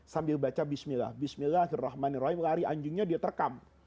sambil baca bismillah bismillahirrahmanirrahim lari anjingnya dia terekam